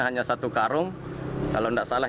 hanya satu karung kalau tidak salah